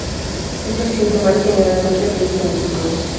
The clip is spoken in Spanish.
Esto se siente mal y generalmente se evita en el futuro.